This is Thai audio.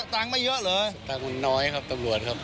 ตังค์ไม่เยอะเหรอตังค์คุณน้อยครับตำรวจครับ